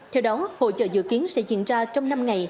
theo đó hội trợ triển lãm sản phẩm đông nghiệp